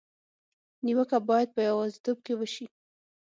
نیوکه باید په یوازېتوب کې وشي.